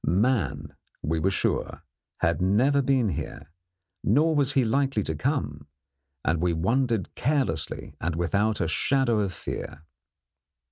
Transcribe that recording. Man, we were sure, had never been here, nor was he likely to come, and we wandered carelessly and without a shadow of fear.